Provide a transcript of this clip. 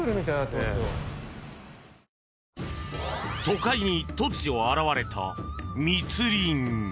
都会に突如現れた密林。